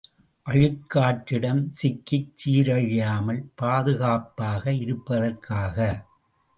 அழுக் காற்றிடம் சிக்கிச் சீரழியாமல் பாதுகாப்பாக இருப்பதற்காக!